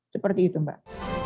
seperti itu mbak